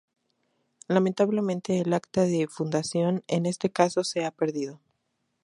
Lamentablemente el acta de fundación en este caso se ha perdido.